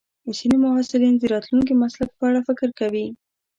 ځینې محصلین د راتلونکي مسلک په اړه فکر کوي.